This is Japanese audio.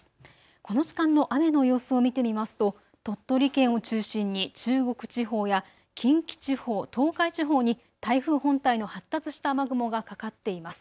この時間の雨の様子を見てみますと鳥取県を中心に中国地方や近畿地方と東海地方に台風本体の発達した雨雲がかかっています。